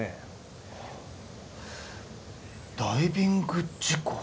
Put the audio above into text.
「ダイビング事故」？